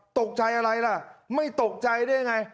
ตกใจอะไรล่ะไม่ตกใจได้ยังไง